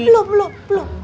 belum belum belum